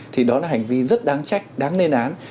thì đó là hành vi rất đáng trách đáng lên án